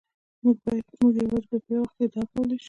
موږ یوازې په یو وخت کې ادعا کولای شو.